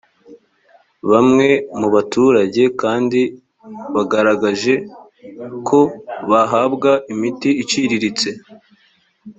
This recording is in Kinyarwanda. bamwe mu baturage kandi bagaragaje ko bahabwa imiti iciriritse